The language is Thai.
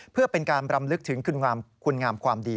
เพื่อเป็นการรำลึกถึงคุณงามความดี